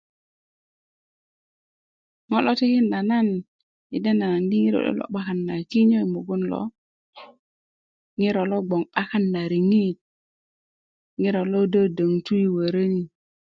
ŋo lo tikinda nan yi denda naŋ di ŋiro liyo lo 'bakan na kinyo yi mugun lo ŋiro lo gboŋ 'bakan na riŋit ŋiro lo dödöŋtu yi wörö ni